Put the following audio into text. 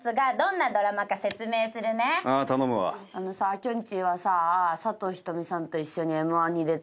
きょんちぃはさ佐藤仁美さんと一緒にＭ−１に出たい。